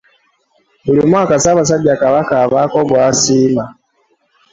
“Buli mwaka Ssaabasajja Kabaka abaako gw'asiima"